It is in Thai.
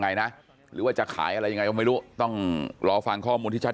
ไงนะหรือว่าจะขายอะไรยังไงก็ไม่รู้ต้องรอฟังข้อมูลที่ชัด